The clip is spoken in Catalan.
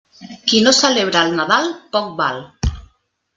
Qui no celebra el Nadal, poc val.